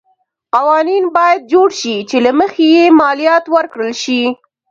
قوانین باید جوړ شي چې له مخې یې مالیات ورکړل شي.